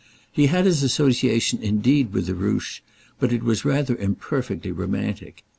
He had his association indeed with the ruche, but it was rather imperfectly romantic.